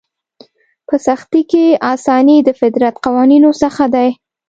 په سختي کې اساني د فطرت قوانینو څخه دی.